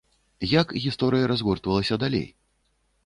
Як гісторыя разгортвалася далей?